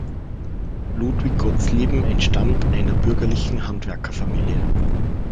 Ludwig Gottsleben entstammt einer bürgerlichen Handwerkerfamilie.